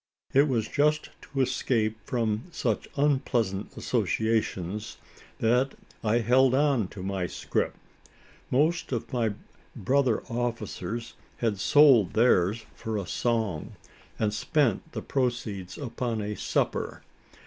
It was just to escape from such unpleasant associations, that I held on to my "scrip." Most of my brother officers had sold theirs for a "song," and spent the proceeds upon a "supper."